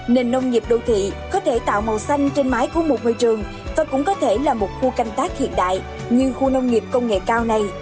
nền nông nghiệp đô thị có thể tạo màu xanh trên mái của một môi trường và cũng có thể là một khu canh tác hiện đại như khu nông nghiệp công nghệ cao này